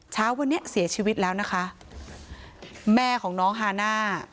เช้าวันนี้เสียชีวิตแล้วนะคะแม่ของน้องฮาน่า